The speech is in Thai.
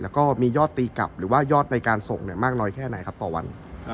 แล้วก็มียอดตีกลับหรือว่ายอดในการส่งมากน้อยแค่ไหนครับต่อวัน